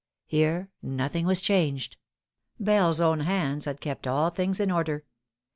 Here nothing was changed. Bell's own hands Lad kept all things in order.